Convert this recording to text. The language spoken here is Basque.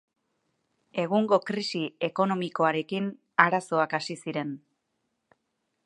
Egungo krisi ekonomikoarekin, arazoak hasi ziren.